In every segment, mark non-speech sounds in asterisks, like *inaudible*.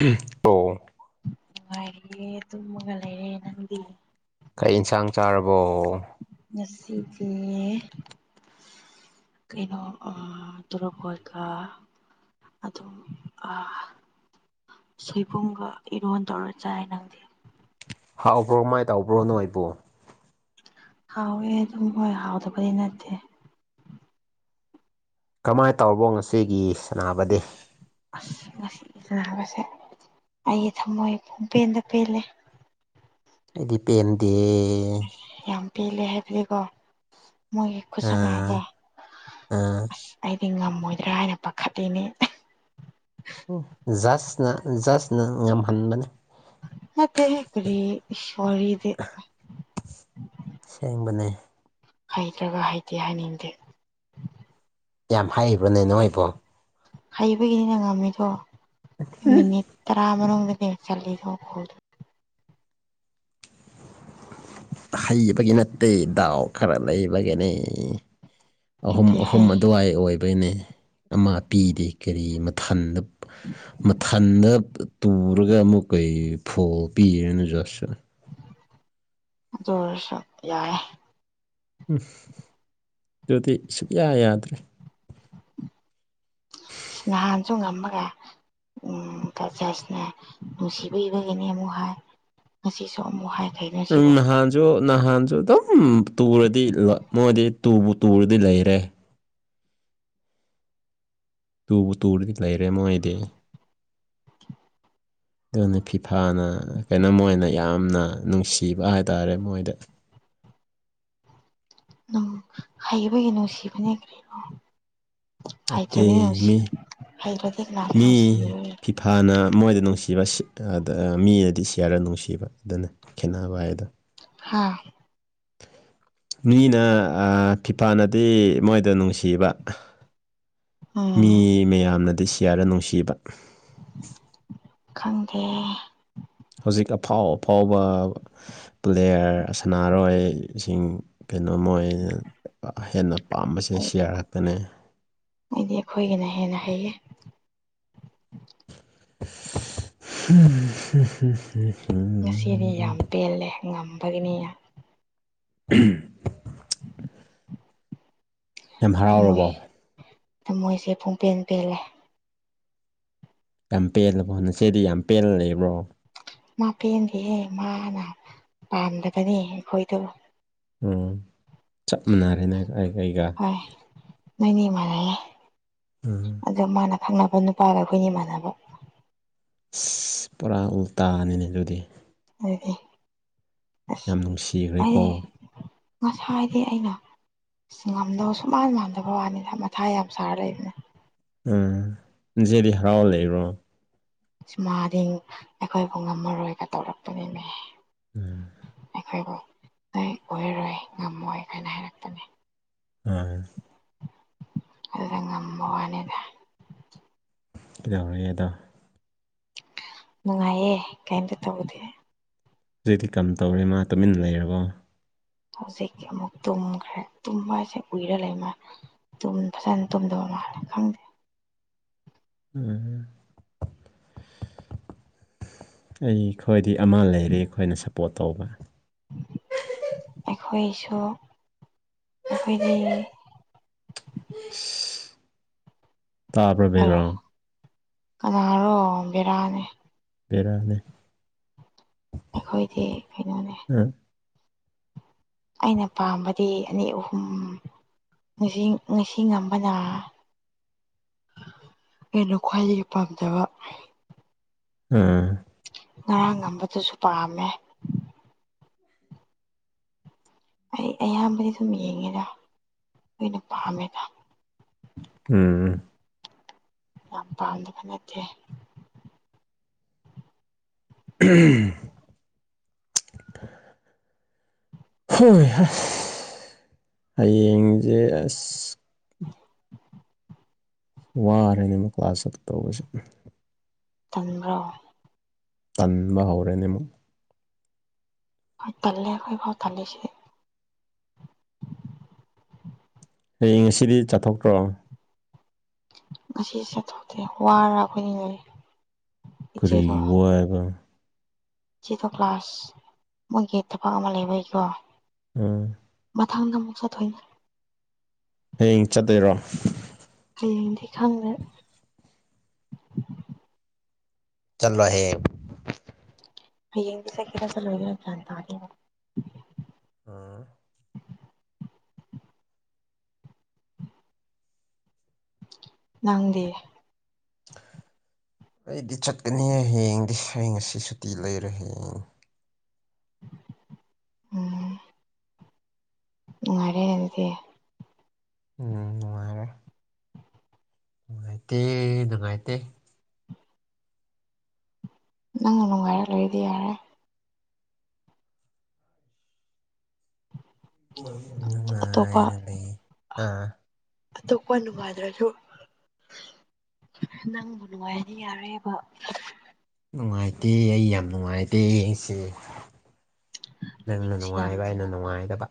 ꯎꯝ ꯇꫭ ꯅꯨꯡꯉꯥꯏꯔꯤꯑꯦ ꯇꯨꯝꯃꯒ ꯂꯩꯔꯦ ꯅꯪꯗꯤ ꯀꯩ ꯏꯟꯁꯥꯡ ꯆꯥꯔꯕꯣ ꯉꯁꯤꯗꯤ ꯀꯩꯅꯣ ꯑ ꯇꫭꯔꫭꯄꯣꯠꯀ ꯑꯗꯨꯝ ꯑ ꯁꯣꯏꯕꯨꯝꯒ ꯏꯔꯣꯟ ꯇꯧꯔ ꯆꯥꯏ ꯅꯪꯗꯤ ꯍꯥꯎꯕ꯭ꯔꯣ ꯃꯥꯏꯅ ꯇꯧꯕ꯭ꯔꯣ ꯅꯣꯏꯕꯨꯣ ꯍꯥꯎꯋꯦ ꯑꯗꯨꯝ ꯍꯣꯏ ꯍꯥꯎꯗꯕꯗꯤ ꯅꯠꯇꯦ ꯀꯃꯥꯏ ꯇꯧꯔꯕꯣ ꯉꯁꯤꯒꯤ ꯁꯅꯥꯕꯗꯤ ꯑꯁ ꯉꯁꯤꯒꯤ ꯁꯅꯕꯁꯦ ꯑꯩꯒꯤ ꯊꯝꯃꯣꯏ ꯐꯣꯡꯄꯦꯟꯗ ꯄꯦꯜꯂꯦ ꯑꯩꯗꯤ ꯄꯦꯟꯗꯦ ꯌꯥꯝ ꯄꯦꯜꯂꯦ ꯍꯥꯏꯕꯗꯤꯀꯣ ꯃꯣꯏꯒꯤ ꯑꯥ ꯈꯨꯠꯁꯅꯥꯁꯦ ꯑꯥ ꯑꯁ ꯑꯩꯗꯤ ꯉꯝꯃꯣꯏꯗ꯭ꯔꯥ ꯍꯥꯏꯅ ꯄꯥꯈꯠꯂꯤꯅꯤ ꯖꯁꯅ ꯖꯁꯅ ꯉꯝꯍꯟꯕꯅꯤ ꯅꯠꯇꯦꯍꯦ ꯀꯔꯤ ꯋꯥꯔꯤꯗꯤ ꯁꯦꯡꯕꯅꯦ ꯍꯩꯇ꯭ꯔꯒ ꯍꯩꯇꯦ ꯍꯥꯏꯅꯤꯡꯗꯦ ꯌꯥꯝ ꯍꯩꯕ꯭ꯔꯅꯦ ꯅꯣꯏꯕꯣ ꯍꯩꯕꯒꯤꯅꯤꯅ ꯉꯝꯃꯤꯗꯣ ꯃꯤꯅꯤꯠ ꯇꯔꯥ ꯃꯅꯨꯡꯗ ꯀꯌꯥ ꯆꯜꯂꯤꯅꫭ ꯒꫭꯜꯗꯨ ꯍꯩꯕꯒꯤ ꯅꯠꯇꯦ ꯗꯥꯎ ꯈꯔ ꯂꯩꯕꯒꯤꯅꯦ ꯑꯍꯨꯝ ꯅꯠꯇꯦ ꯑꯍꯨꯝ ꯍꯩ ꯑꯗꯨꯋꯥꯏ ꯑꯣꯏꯕꯩꯅꯦ ꯑꯃ ꯄꯤꯗꯦ ꯀꯔꯤ ꯃꯊꯟꯗ ꯃꯊꯟꯗ ꯇꯨꯔꯒ ꯑꯃꯨꯛ ꯀꯩ ꯐꯣꯜ ꯄꯤꯒꯦꯅ ꯖꯁ ꯅ ꯑꯗꯨ ꯑꯣꯏꯔꯁꯨ ꯌꯥꯏꯌꯦ ꯎꯝ ꯑꯗꯨꯗꯤ ꯁꯨꯛꯌꯥ ꯌꯥꯗ꯭ꯔꯦ ꯅꯍꯥꯟꯁꯨ ꯉꯝꯃꯒ ꯎꯝ ꯀꯖꯁꯅꯦ ꯅꯨꯡꯁꯤꯕꯤ ꯏꯕꯒꯤꯅꯦ ꯑꯃꯨꯛ ꯍꯥꯏ ꯉꯁꯤꯁꯨ ꯑꯃꯨꯛ ꯍꯥꯏꯔꯦ ꯎꯝꯅꯍꯥꯟ ꯨ ꯗꯨ ꯅꯍꯥꯟꯁꯨ ꯑꯗꯨꯝ ꯇꯨꯔꯗꯤ ꯃꯣꯏꯗꯤ ꯇꯨꯕꯨ ꯇꯨꯔꯗꯤ ꯂꯩꯔꯦ ꯇꯨꯕꯨ ꯇꯨꯔꯗꯤ ꯂꯩꯔꯦ ꯃꯣꯏꯗꯤ ꯑꯗꯨꯅ ꯐꯤꯐꯥꯅ ꯀꯩꯅꯣꯝꯃꯅ ꯌꯥꯝꯅ ꯅꯨꯡꯁꯤꯕ ꯍꯥꯏꯇꯥꯔꯦ ꯃꯣꯏꯗ ꯎꯝ ꯍꯩꯕꯒꯤ ꯅꯨꯡꯁꯤꯕꯅꯦ ꯍꯥꯏꯇ꯭ꯔꯗꯤ ꯅꯠꯇꯦ ꯅꯨꯡꯁꯤ ꯃꯤ ꯍꯥꯏꯇ꯭ꯔꯗꯤ ꯂꯥꯛꯀꯅꫭ ꯅꯨꯡꯁꯤꯕꯤꯔꯌꯦ ꯊꯥꯅ ꯃꯣꯏꯗ ꯅꯨꯡꯁꯤꯕ ꯁꯤꯗ ꯃꯤꯅꯗꯤ ꯁꯤꯌꯔꯗ ꯅꯨꯡꯁꯤꯕ ꯑꯗꯨꯅꯅꯤ ꯈꯦꯠꯅꯕ ꯍꯥꯏꯗꯣ ꯍꯥꯥ *inaudible* ꯃꯤꯅ ꯐꯤꯐꯥꯅꯗꯤ ꯃꯣꯏꯗ ꯅꯨꯡꯁꯤꯕ ꯃꯤ ꯎꯝ ꯃꯌꯥꯝꯅꯗꯤ ꯁꯤꯌꯥꯔ ꯔ ꯅꯨꯡꯁꯤꯕ ꯈꯪꯗꯦ ꯍꯧꯖꯤꯛ ꯑꯐꯥꯎ ꯑꯐꯥꯎꯕ ꯄ꯭ꯂꯦꯌꯥꯔ ꯁꯥꯟꯅꯥꯔꯣꯏꯁꯤꯡ ꯀꯩꯅꯣꯃꯣꯏ ꯍꯦꯟꯅ ꯄꯥꯝꯕꯁꯦ ꯑꯩ ꯁꯤꯌꯥꯔꯛꯇꯅꯦ ꯑꯩꯗꯤ ꯑꯩꯈꯣꯏꯒꯤꯅ ꯍꯦꯟꯅ ꯍꯩꯌꯦ ꯎ ꯎ ꯎ ꯉꯁꯤꯗꯤ ꯌꯥꯝ ꯄꯦꯜꯂꯦ ꯉꯝꯕꯒꯤꯅꯤ ꯎꯝ ꯌꯥꯝ ꯊꯝꯃꯣꯏ ꯍꯔꯥꯎꯔꯕꯣ ꯊꯝꯃꯣꯏꯁꯦ ꯄꯨꯡꯄꯦꯟ ꯄꯦꯜꯂꯦ ꯌꯥꯝ ꯄꯦꯜꯂꯕꯣ ꯅꯆꯦꯗꯤ ꯌꯥꯝ ꯄꯦꯜꯂ ꯂꯩꯕ꯭ꯔꯣ ꯃꯥꯄꯦꯟꯗꯤꯍꯦ ꯃꯥꯅ ꯄꯥꯝꯗꯕꯅꯤ ꯑꯩꯈꯣꯏꯗꯣ ꯎꯝ ꯆꯞ ꯃꯥꯟꯅꯔꯦꯅꯦ ꯑꯩ ꯑꯩꯒ ꯑꯦ ꯅꯣꯏꯅꯤ ꯃꯥꯟꯅꯩꯌꯦ ꯎꯝ ꯑꯗꫭ ꯃꯥꯅ ꯈꯪꯅꯕ ꯅꯨꯄꯥꯒ ꯑꯩꯈꯣꯏ ꯏꯃꯥꯟꯅꯕ ꯑꯁ ꯄꯨꯔꯥ ꯎꯜꯇꯥꯅꯤꯅꯦ ꯑꯗꯨꯗꯤ ꯑꯗꯨꯗꯤ ꯑꯁ ꯌꯥꯝ ꯅꯨꯡꯁꯤꯈ꯭ꯔꯦꯀꯣ ꯑꯩ ꯉꯁꯥꯏꯗꯤ ꯑꯩꯅ ꯉꯝꯗꯧꯕ ꯁꯨ ꯃꯥꯟ ꯃꯥꯟꯗꯕ ꯋꯥꯅꯤꯗ ꯃꯊꯥ ꯌꯥꯝ ꯁꯥꯔ ꯂꯩꯕꯅꯤ ꯎꯝ ꯏꯟꯖꯦꯗꯤ ꯍꯔꯥꯎ ꯂꯩꯔꯣ ꯁꯨꯃꯗꯤꯡ ꯑꯩꯈꯣꯏꯕꯨ ꯉꯝꯃꯔꯣꯏꯒ ꯇꯧꯔꯛꯛꯇꯅꯤꯅꯦ ꯎꯝ ꯑꯩꯈꯣꯏꯕꯨ ꯅꯣꯏ ꯑꯣꯏꯔꯔꯣꯏ ꯉꯝꯃꯣꯏ ꯍꯥꯏꯅ ꯍꯥꯏꯔꯛꯄꯅꯤ ꯑꯥ ꯑꯗꯨꯗ ꯉꯝꯕ ꯋꯥꯅꯤꯗ ꯀꯩꯗꯧꯔꯦ ꯑꯗꯣ ꯅꯨꯡꯉꯥꯏꯌꯦꯦ ꯀꯩꯝꯇ ꯇꯧꯗꯦ ꯍꯧꯖꯤꯛꯇꯤ ꯀꯝ ꯇꯧꯔꯦ ꯃꯥ ꯇꯨꯃꯤꯟꯅ ꯂꯩꯔꯕꯣ ꯍꯧꯖꯤꯛ ꯇꯤ ꯑꯃꯨꯛ ꯇꯨꯝꯈ꯭ꯔꯦ ꯇꯨꯝꯕ ꯍꯥꯏꯁꯦ ꯎꯏꯔ ꯂꯩꯃ ꯇꯨꯝ ꯐꯖꯅ ꯇꯨꯝꯗꯕ ꯃꯥꯜꯂꯦ ꯈꯪꯗꯦ ꯎꯝ ꯑꯩꯈꯣꯏꯗꯤ ꯑꯃ ꯂꯩꯔꯦ ꯑꯩꯈꯣꯏꯅ ꯁꯞꯄꯣꯔꯠ ꯇꯧꯕ ꯑꯩꯈꯣꯏꯁꯨ ꯑꯩꯈꯣꯏꯗꯤ ꯇꯥꯕ꯭ꯔꯥ ꯑꯦ ꯕꯦꯛꯒ꯭ꯔꯥꯎꯟ ꯀꯅꯥꯔꯣ ꯕꯦꯔꯥꯅꯤ ꯕꯦꯔꯥꯅꯦ ꯑꯩꯈꯣꯏꯗꯤ ꯀꯩꯅꯣꯅꯦ ꯎꯝ ꯑꯩꯅ ꯄꯥꯝꯕꯗꯤ ꯑꯅꯤ ꯑꯍꯨꯝ ꯉꯁꯤꯡ ꯉꯁꯤ ꯉꯝꯕꯅ ꯑꯩꯅ ꯈ꯭ꯋꯥꯏꯗꯒꯤ ꯄꯥꯝꯖꯕ ꯎꯝ ꯉꯔꯥꯡ ꯉꯝꯕꯗꯨꯁꯨ ꯄꯥꯝꯃꯦ ꯑꯩ ꯑꯌꯥꯝꯕꯗꯤ ꯑꯗꯨꯝ ꯌꯦꯡꯉꯦꯗ ꯂꯣꯏꯅ ꯄꯥꯝꯃꯦꯗ ꯎꯝ ꯎꯝ ꯌꯥꯝ ꯄꯥꯝꯗꯕ ꯅꯠꯇꯦ *unintelligible* ꯍꯨꯡ ꯍ ꯍꯌꯦꯡꯁꯦ ꯑꯁ *unintelligible* ꯋꯥꯔꯦ ꯑꯃꯨꯛ ꯀ꯭ꯂꯥꯁ ꯆꯠꯇꯧꯕꯁꯨ ꯇꯟꯕ꯭ꯔꯣ ꯇꯟꯕ ꯍꯧꯔꯦꯅꯦꯃꯨ ꯍꯣꯏ ꯇꯜꯂꯦ ꯑꯩꯈꯣꯏꯐꯥꯎ ꯇꯜꯂꯤꯁꯤꯗꯤ ꯍꯌꯦꯡ ꯉꯁꯤꯗꯤ ꯆꯠꯊꯣꯛꯇ꯭ꯔꯣ ꯉꯁꯤ ꯆꯠꯊꯣꯛꯇꯦ ꯋꯥꯔ ꯑꯩꯈꯣꯏꯅꯤ ꯂꯩꯔꯤ ꯀꯔꯤꯒꯤ ꯋꯥꯏꯑꯕ ꯁꯤꯗꯣ ꯀ꯭ꯂꯥꯁ ꯃꯣꯏꯒꯤ ꯊꯕꯛ ꯑꯃ ꯂꯩꯕꯒꯤꯀꯣ ꯎꯝ ꯃꯊꯪꯗ ꯑꯃꯨꯛ ꯆꯠꯊꯣꯏꯅꯦ ꯍꯌꯦꯡ ꯆꯠꯗꯩꯔꯣ ꯍꯌꯦꯡꯗꯤ ꯈꯪꯗꯦ ꯆꯜꯂꯣꯏꯍꯦ ꯍꯌꯦꯡꯗꯤ ꯆꯠꯀꯦꯔ ꯆꯂꯣꯏꯔ ꯒ꯭ꯌꯥꯟ ꯇꯥꯗꯦ ꯑꯥ ꯅꯪꯗꯤ ꯑꯩꯗꯤ ꯆꯠꯀꯅꯤ ꯍꯌꯦꯡꯗꯤ ꯍꯌꯦꯡ ꯉꯁꯤ ꯁꯨꯇꯤ ꯂꯩꯔꯦ ꯍꯌꯦꯡ ꯎꯝ ꯅꯨꯡꯉꯥꯏꯔꯦ ꯑꯗꯨꯗꯦ ꯎꯝ ꯉꯉꯥꯏꯔꯦ ꯉꯥꯏꯠꯇꯦ ꯗꯨꯕꯥꯥꯏ ꯇꯇꯩ ꯅꯪꯅ ꯅꯨꯡꯉꯥꯏꯔ ꯂꯣꯏꯗꯤ ꯌꯥꯔꯦ ꯑꯇꯣꯞꯄ ꯅꯨꯡꯉꯥꯏꯅ ꯂꯩ ꯍꯥ ꯑꯣ ꯀ ꯅꯨ ꯐꯗ꯭ꯔꯁꯨ ꯅꯪꯕꯨ ꯅꯨꯡꯉꯥꯏꯔꯗꯤ ꯌꯥꯔꯦꯕ ꯅꯨꯡꯉꯥꯏꯇꯦ ꯑꯩ ꯌꯥꯝ ꯅꯨꯡꯉꯥꯏꯇꯦ ꯁꯤ ꯑꯩꯗꯤ ꯅꯪꯅ ꯉꯁꯤ ꯌꯥꯝ ꯅꯨꯡꯉꯥꯏꯕ ꯑꯩꯅ ꯅꯨꯡꯉꯥꯏꯗꯕ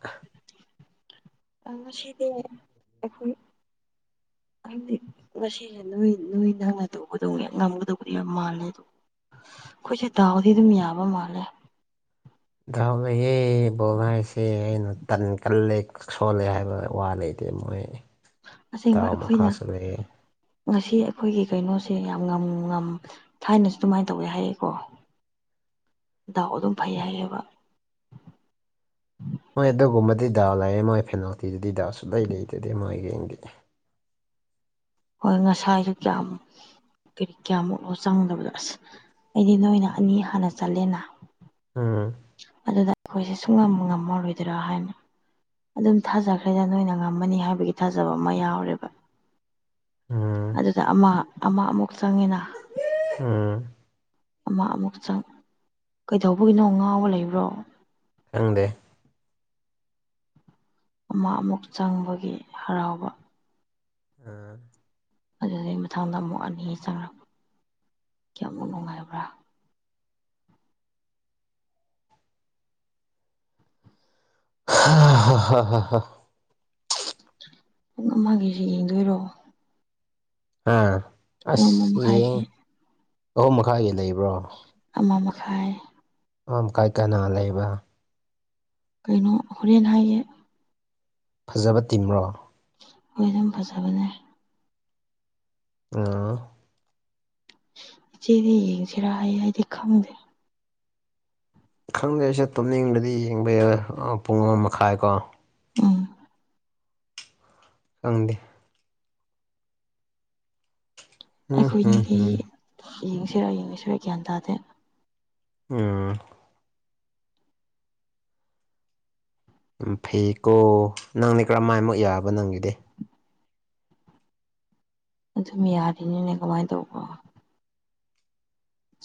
ꯑ ꯁꯤꯗꯈꯣꯏꯗꯤ *unintelligible* ꯉꯁꯤꯁꯦ ꯅꯣꯏ ꯅꯣꯏ ꯅꯪꯅ ꯇꯧꯕꯗꯣ ꯉꯝꯒꯗꯧꯕꯗꯤ ꯌꯥꯝ ꯃꯥꯜꯂꯦ ꯑꯩꯈꯣꯏꯁꯦꯗꯥꯎꯗꯤ ꯑꯗꯨꯝ ꯌꯥꯕ ꯃꯥꯜꯂꯦ ꯗꯥꯎ ꯂꯩꯌꯦ ꯕꯣꯜ ꯍꯥꯏꯁꯦ ꯑꯩꯅ ꯇꯟ ꯀꯜꯂꯦ ꯁꯣꯜꯂꯦ ꯍꯥꯏꯕ ꯋꯥ ꯂꯩꯇꯦ ꯃꯣꯏ ꯑꯁꯦꯡꯕ ꯗꯥꯎ ꯑꯩꯈꯣꯏꯅ ꯃꯈꯥꯁꯨ ꯂꯩꯌꯦ ꯉꯁꯤ ꯑꯩꯈꯣꯏꯒꯤ ꯀꯩꯅꯣꯁꯦ ꯌꯥꯝ ꯉꯝ ꯉꯝ ꯊꯥꯏꯅꯁꯨ ꯑꯗꯨꯃꯥꯏꯅ ꯇꯧꯋꯦ ꯍꯥꯏꯌꯦꯀꯣ *inaudible* ꯗꯥꯎ ꯑꯗꯨꯝ ꯐꯩ ꯍꯥꯏꯌꯦꯕ ꯃꯣꯏ ꯑꯗꯨꯒꯨꯝꯕꯗꯤ ꯗꯥ ꯂꯩꯌꯦ ꯃꯣꯏ ꯐꯦꯅꯥꯜꯇꯤꯗꯨꯗꯤ ꯗꯥꯎ ꯁꯨꯡꯂꯩ ꯂꯩꯇꯗꯤ ꯃꯣꯏꯒꯤꯡꯗꯤ ꯍꯣꯏ ꯉꯁꯥꯏꯁꯨ ꯌꯥꯝ *unintelligible* ꯀꯌꯥꯃꯨꯛꯂꯣ ꯆꯪꯗꯕꯗꯣ ꯑꯁ ꯑꯩꯗꯤ ꯅꯣꯏꯅ ꯑꯅꯤ ꯍꯥꯟꯅ ꯆꯟꯂꯦꯅ ꯎꯝ ꯑꯗꯨꯗ ꯑꯩꯈꯣꯏꯁꯦ ꯁꯨꯡ ꯉꯝꯃꯔꯣꯏꯗꯔꯥ ꯍꯥꯏꯅ ꯑꯗꯨꯝ ꯊꯥꯖꯈ꯭ꯔꯦꯗ ꯅꯣꯏꯅ ꯉꯝꯃꯅꯤ ꯍꯥꯏꯕꯒꯤ ꯊꯥꯖꯕ ꯑꯃ ꯌꯥꯎꯔꯦꯕ ꯎꯝ ꯑꯗꯨꯗ ꯑꯃ ꯑꯃ ꯑꯃꯨꯛ ꯆꯪꯉꯤꯅ ꯎꯝ ꯑꯃ ꯑꯃꯨ ꯆꯪ ꯀꯩꯗꯧꯕꯒꯤꯅꯣ ꯉꯥꯎꯕ ꯂꯩꯕ꯭ꯔꯣ ꯈꯪꯗꯦ ꯑꯃ ꯑꯃꯨꯛ ꯆꯪꯕꯒꯤ ꯍꯔꯥꯎꯕ ꯑꯝ ꯑꯗꯨꯗꯩ ꯃꯊꯪꯗ ꯑꯃꯨꯛ ꯑꯅꯤ ꯆꯪꯉꯛꯄ ꯀꯌꯥꯃꯨꯛ ꯅꯨꯡꯉꯥꯏꯕ꯭ꯔꯥ ꯍ ꯍ *unintelligible* ꯨꯄꯨꯡ ꯑꯃꯒꯤꯖꯤ ꯌꯦꯡꯗꯣꯏꯔꯣ ꯑꯥ ꯄꯨꯡ ꯑꯃ ꯑꯁ ꯌꯦꯡ ꯃꯈꯥꯏꯒꯤ ꯑꯍꯨꯝ ꯃꯈꯥꯏꯒꯤ ꯂꯩꯕ꯭ꯔꯣ ꯑꯃ ꯃꯈꯥꯏ ꯑꯃ ꯃꯈꯥꯏ ꯀꯅꯥ ꯂꯩꯕ ꯀꯩꯅꯣ ꯍꯣꯔꯦꯟ ꯍꯥꯏꯌꯦ ꯐꯖꯕ ꯇꯤꯝꯔꯣ *unintelligible* ꯐꯖꯕꯅꯦ ꯑꯥ ꯏꯆꯦꯗꯤ ꯌꯦꯡꯁꯤꯔ ꯑꯩ ꯑꯩꯗꯤ ꯈꯪꯗꯦ ꯈꯪꯗꯦ ꯑꯩꯁꯨ ꯇꯨꯝꯅꯤꯡꯗꯗꯤ ꯌꯦꯡꯕ ꯌꯥꯏ ꯑꯥ ꯄꯨꯡ ꯑꯃ ꯃꯈꯥꯏꯕꯥꯎ ꯎꯝ ꯈꯪꯗꯦ ꯎꯝ ꯎꯝ ꯑꯩꯈꯣꯏꯅꯤꯗꯤ ꯎꯝ ꯌꯦꯡꯁꯤꯔ ꯌꯦꯡꯉꯣꯏꯁꯤꯔ ꯒ꯭ꯌꯥꯟ ꯇꯥꯗꯦ ꯎꯝ ꯎ ꯐꯩꯀꯣ ꯅꯪꯅꯦ ꯀꯔꯝꯃꯥꯏꯃꯨꯛ ꯌꯥꯕ ꯅꯪꯒꯤꯗꯤ ꯑꯗꯨꯝ ꯌꯥꯔꯤꯅꯤꯅꯦ ꯀꯃꯥꯏ ꯇꯧꯕ꯭ꯔꯣ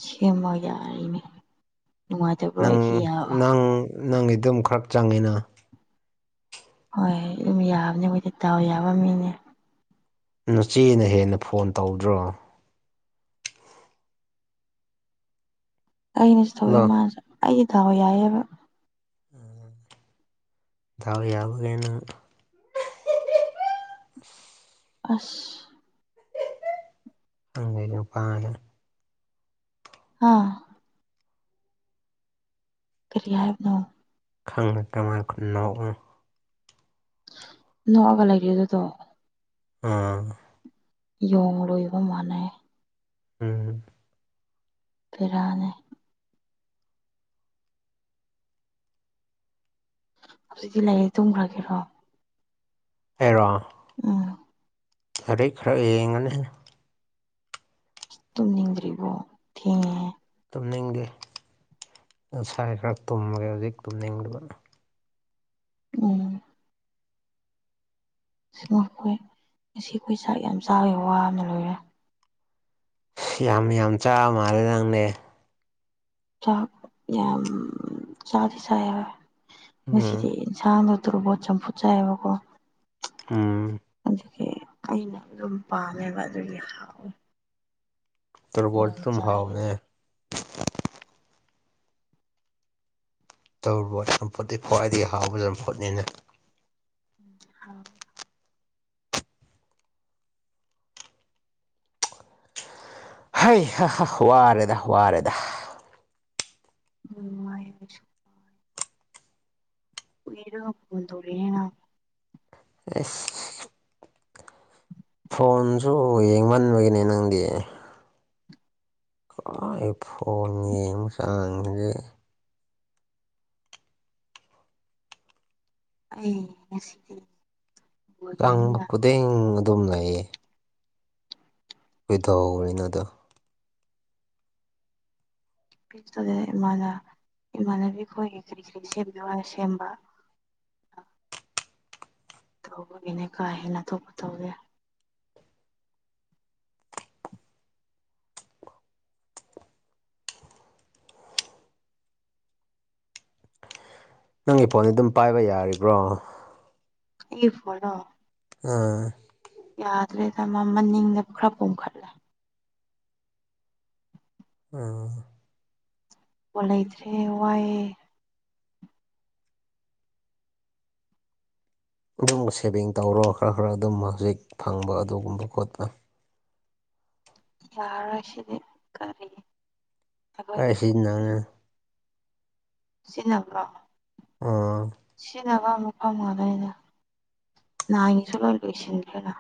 ꯁꯦꯝꯃ ꯌꯥꯔꯤꯅꯤꯅꯦ ꯅꯪ ꯅꯪ ꯅꯪꯒꯤ ꯑꯗꯨꯝ ꯈꯔ ꯆꯪꯉꯤꯅ ꯍꯣꯏ ꯑꯗꯨꯝ ꯌꯥꯕꯅꯦ ꯑꯩꯈꯣꯏꯗꯤ ꯇꯥꯎ ꯌꯥꯕ ꯃꯤꯅꯦ ꯅꯆꯦꯅ ꯍꯦꯟꯅ ꯐꯣꯟ ꯇꯧꯗ꯭ꯔꯣ ꯑꯩꯅꯁꯨ ꯇꯧꯌꯦ ꯍꯜꯂꯣ ꯃꯥꯁꯨ ꯑꯩꯁꯦ ꯗꯥꯎ ꯌꯥꯏꯑꯦꯕ ꯗꯥꯎ ꯌꯥꯕꯒꯤꯅꯤ ꯅꯪ ꯑꯁ ꯅꯪꯒꯤ ꯅꯨꯄꯅ ꯑꯥ ꯀꯔꯤ ꯍꯥꯏꯕꯅꯣ ꯈꯪꯉ *unintelligible* ꯅꯣꯛꯑꯒ ꯂꯩꯔꯦ ꯑꯗꯨꯗꯣ ꯑꯥ ꯌꯣꯡ ꯂꯣꯏꯕ ꯃꯥꯟꯅꯩ ꯎꯝ ꯐꯤꯔꯥꯅꯦ ꯍꯧꯖꯤꯛꯇꯤ ꯂꯩꯌꯦ ꯇꯨꯝꯈ꯭ꯔꯒꯦꯔꯣ ꯑꯦꯔꯣ ꯎꯝ ꯈꯔꯦ ꯈꯔ ꯌꯦꯡꯒꯅ ꯇꯨꯝꯅꯤꯡꯗ꯭ꯔꯤꯕꯣ ꯊꯦꯡꯉꯦꯦ ꯇꯨꯝꯅꯤꯡꯗꯦ ꯉꯁꯥꯏ ꯈꯔ ꯇꯨꯝꯒꯦ ꯍꯧꯖꯤꯛ ꯇꯨꯝꯅꯤꯡꯗꯕꯅ ꯎꯝ *unintelligible* ꯉꯁꯤ ꯑꯈꯣꯏ ꯆꯥꯛ ꯌꯥꯝ ꯆꯥꯕꯩ ꯋꯥꯕꯅ ꯂꯣꯏꯔꯦ ꯌꯥꯝ ꯌꯥꯝ ꯆꯥꯕ ꯃꯥꯜꯂꯦ ꯅꯪꯅꯦ ꯆꯥꯛ ꯌꯥꯝ ꯆꯥꯗ ꯆꯦꯕ ꯎꯝ ꯃꯁꯤꯁꯤꯗꯤ ꯆꯥꯟꯗ ꯇꯔꯔꯕꯣ ꯆꯝꯄꯨ ꯆꯕꯀꯣ ꯎꯝ ꯑꯗꯨꯒꯤ ꯑꯩꯅ ꯑꯗꯨꯝ ꯄꯥꯝꯃꯦꯕ ꯑꯗꯨ ꯌꯥꯝ ꯍꯥꯎꯋꯦ ꯌꯥꯝ ꯇꯣꯕꯣꯜꯇꯨꯝ ꯆꯥꯏꯌꯦ ꯍꯥꯎꯑꯦ ꯇꯧꯔꯕꯣꯠ ꯆꯝꯐꯨꯠꯇꯤ ꯈ꯭ꯋꯥꯏꯗꯒꯤ ꯍꯥꯎꯕ ꯆꯝꯐꯨꯠꯅꯤꯅ *unintelligible* ꯍꯩ ꯍꯥ ꯍꯥ ꯋꯥꯔꯦꯗ ꯋꯥꯔꯦꯗ *unintelligible* ꯑꯣꯏꯔꯒ ꯄꯨꯒꯟꯣꯂꯦꯅ ꯑꯦꯁ ꯐꯣꯟꯁꯨ ꯌꯦꯡꯃꯟꯕꯒꯤꯅꯦ ꯅꯪꯗꯤ ꯈꯋꯥꯏ ꯐꯣꯟꯉ ꯑꯃ ꯆꯥꯡꯁꯦ ꯑꯩ ꯉꯁꯤꯗꯤ ꯕꯣꯜ ꯆꯪꯕ ꯌꯦꯡꯅꯤꯅ ꯈꯨꯗꯤꯡ ꯑꯗꯨꯝ ꯂꯩꯌꯦ ꯀꯈꯣꯏꯗꯍꯧꯔꯤꯅ ꯑꯗꯣ ꯄꯤꯁꯇꯨꯗ ꯏꯃꯥꯅ ꯏꯃꯥꯟꯅꯕꯤ ꯑꯩꯈꯣꯏꯒꯤ ꯀꯔꯤ ꯀꯔꯤ ꯁꯦꯝꯕꯤꯌꯣ ꯍꯥꯏꯅ ꯁꯦꯝꯕ ꯇꯧꯕꯒꯤꯅꯦ ꯀꯥ ꯍꯦꯟꯅ ꯊꯣꯛꯄ ꯇꯧꯗꯦ ꯅꯪꯒꯤ ꯐꯣꯟꯗꯤ ꯑꯗꯨꯝ ꯄꯥꯏꯕ ꯌꯥꯔꯤꯕ꯭ꯔꯣ ꯌꯦ ꯐꯅꯣ ꯑꯥ ꯌꯥꯗ꯭ꯔꯦꯗ ꯃ ꯃ ꯅꯤꯡꯗꯕ ꯈꯔ ꯀꯣꯝꯈꯠꯂꯦ ꯑ ꯄꯣ ꯂꯩꯇ꯭ꯔꯦ ꯋꯥꯏꯑꯦ ꯑꯗꯨꯨꯝꯕ ꯁꯦꯚꯤꯡ ꯇꯧꯔꯣ ꯈꯔ ꯈꯔ ꯑꯗꯨꯝ ꯍꯧꯖꯤꯛ ꯐꯪꯕ ꯑꯗꯨꯒꯨꯝꯕ ꯈꯣꯠꯄ ꯌꯥꯔꯣꯏ ꯁꯤꯗꯤ ꯀꯔꯤ ꯑꯩ ꯑꯩꯈꯣꯏꯒꯤ ꯁꯤꯖꯤꯟꯅꯅ ꯁꯤꯟꯅꯕ꯭ꯔꯣ ꯑꯥ ꯁꯤꯅꯕ ꯑꯃꯨꯛ ꯐꯝꯒꯗꯣꯏꯅꯤꯅꯦ ꯅꯥꯍꯒꯤꯁꯨ ꯂꯣꯏ ꯂꯣꯏꯁꯤꯟꯈ꯭ꯔꯦꯅ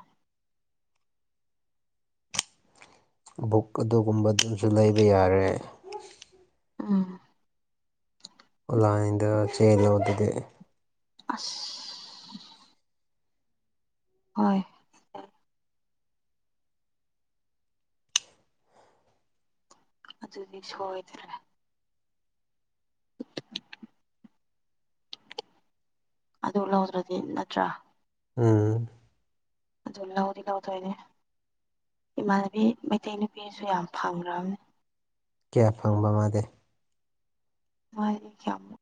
ꯕꯨꯛ ꯑꯗꯨꯒꯨꯝꯕ ꯑꯗꯨꯝꯁꯨ ꯂꯩꯕ ꯌꯥꯔꯦ ꯎꯝ ꯑꯣꯟꯂꯥꯏꯟꯗ ꯆꯦꯜꯂꯣ ꯑꯗꯨꯗꯤ ꯑꯁ ꯍꯣꯏ ꯑꯗꯨꯅꯤ ꯁꯣꯏꯗꯔ꯭ꯦ ꯑꯗꯨ ꯂꯧꯗ꯭ꯔꯗꯤ ꯅꯠꯇ꯭ꯔꯥ ꯎꯝ ꯑꯗꯨ ꯂꯧꯗꯤ ꯂꯧꯗꯣꯏꯅꯤ ꯏꯃꯥꯟꯅꯕꯤ ꯃꯩꯇꯩ ꯅꯨꯄꯤꯁꯨ ꯌꯥꯝ ꯐꯪꯈ꯭ꯔꯕꯅꯤ ꯀꯌꯥ ꯐꯪꯕ ꯃꯥꯗꯦ ꯃꯥꯏ ꯀꯌꯃꯨꯛ